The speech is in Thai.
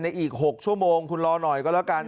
อีก๖ชั่วโมงคุณรอหน่อยก็แล้วกัน